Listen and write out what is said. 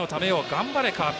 頑張れカープ。